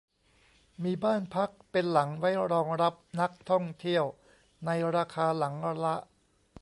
มีบ้านพักเป็นหลังไว้รองรับนักท่องเที่ยวในราคาหลังละ